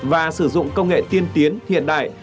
và sử dụng công nghệ tiên tiến hiện đại